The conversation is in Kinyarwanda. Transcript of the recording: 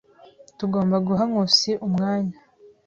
Tugomba guha Nkusi umwanya.